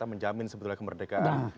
menjamin sebetulnya kemerdekaan